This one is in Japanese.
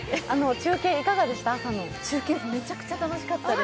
中継、めちゃくちゃ楽しかったです。